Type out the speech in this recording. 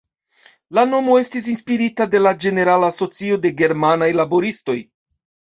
La nomo estis inspirita de la Ĝenerala Asocio de Germanaj Laboristoj.